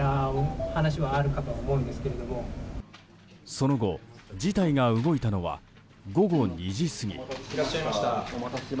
その後、事態が動いたのは午後２時過ぎ。